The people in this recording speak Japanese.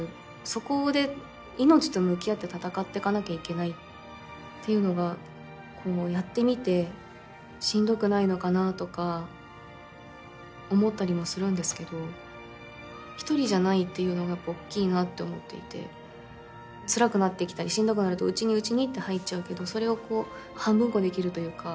そこで命と向き合って戦ってかなきゃいけないっていうのがやってみてしんどくないのかなとか思ったりもするんですけど一人じゃないっていうのがおっきいなって思っていてつらくなってきたりしんどくなると内に内にって入っちゃうけどそれを半分こできるというか。